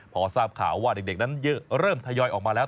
พอทราบข่าวว่าเด็กนั้นเริ่มทยอยออกมาแล้ว